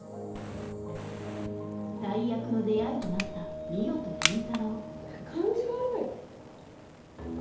最悪の出会いとなった海音と倫太郎感じ悪い！